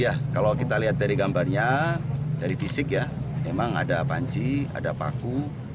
ya kalau kita lihat dari gambarnya dari fisik ya memang ada panci ada paku